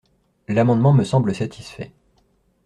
L’amendement me semble satisfait.